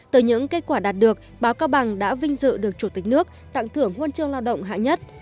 từ những kết quả đạt được báo cao bằng đã vinh dự được chủ tịch nước tặng thưởng huân chương lao động hạng nhất